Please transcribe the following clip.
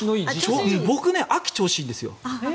僕、秋が調子いいんですよ。